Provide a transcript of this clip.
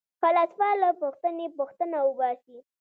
فلسفه له پوښتنې٬ پوښتنه وباسي.